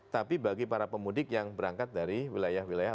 tapi bagi para pemudik yang berangkat dari wilayah wilayah